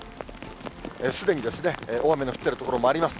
すでにですね、大雨の降っている所もあります。